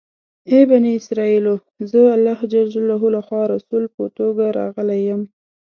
ای بني اسرایلو! زه الله جل جلاله لخوا رسول په توګه راغلی یم.